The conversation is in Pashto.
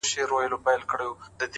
چي محبت يې زړه كي ځاى پـيـدا كـړو.!